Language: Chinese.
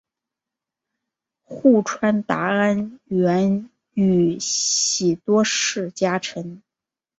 户川达安原宇喜多氏家臣。